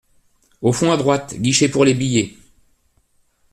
Au fond, à droite, guichet pour les billets.